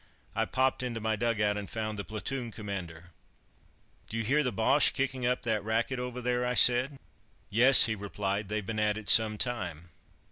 I popped into my dug out and found the platoon commander. [Illustration: hayseed] "Do you hear the Boches kicking up that racket over there?" I said. "Yes," he replied; "they've been at it some time!"